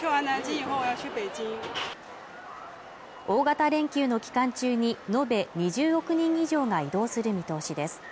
大型連休の期間中に延べ２０億人以上が移動する見通しです